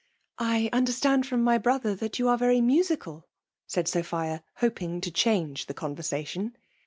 " I understand from my brother that you' are very musical?*' said Sophia, hoping ta change the conversation.